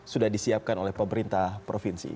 sudah disiapkan oleh pemerintah provinsi